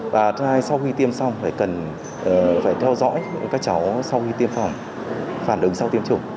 và thứ hai sau khi tiêm xong phải cần phải theo dõi các cháu sau khi tiêm phòng phản ứng sau tiêm chủng